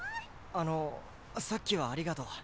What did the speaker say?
あのさっきはありがとう。